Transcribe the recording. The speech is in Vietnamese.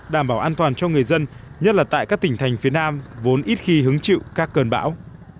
đảm bảo an toàn cho người dân nhất là tại các tỉnh thành phía nam vốn ít khi hứng chịu các cơn bão